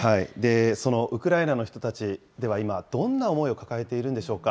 そのウクライナの人たち、では今、どんな思いを抱えているんでしょうか。